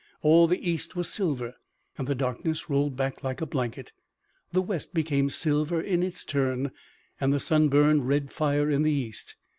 All the east was silver, and the darkness rolled back like a blanket. The west became silver in its turn, and the sun burned red fire in the east.